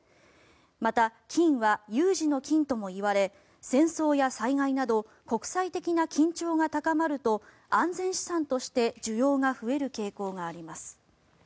また、金は有事の金ともいわれ戦争や災害など国際的な緊張が高まると安全資産として需要が増える傾向があります。